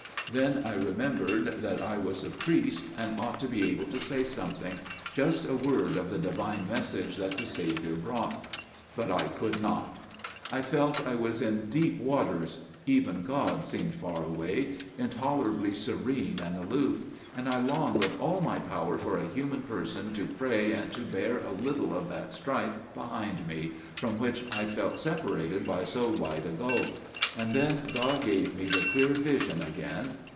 "Then I remembered that I was a priest, and ought to be able to say something––just a word of the Divine message that the Saviour brought––but I could not. I felt I was in deep waters. Even God seemed far away, intolerably serene and aloof; and I longed with all my power for a human person to pray and to bear a little of that strife behind me, from which I felt separated by so wide a gulf. And then God gave me the clear vision again.